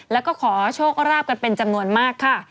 แล้วก็ขอโชคราบกันเป็นจำนวนมากค่ะ